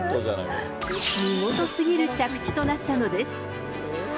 見事すぎる着地となったのです。